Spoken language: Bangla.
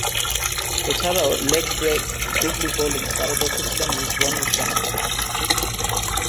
এছাড়াও, লেগ ব্রেক গুগলি বোলিংয়ে পারদর্শী ছিলেন রিজওয়ান-উজ-জামান।